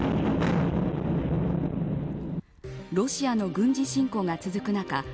ロシアの軍事侵攻が続く中